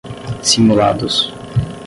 simulados